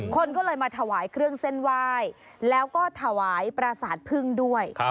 คนก็เลยมาถวายเครื่องเส้นไหว้แล้วก็ถวายปราสาทพึ่งด้วย